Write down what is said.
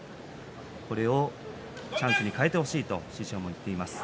これをチャンスに変えてほしいと師匠も言っています。